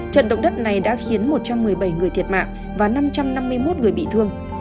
trận động đất này đã khiến một trăm một mươi bảy người thiệt mạng và năm trăm năm mươi một người bị thương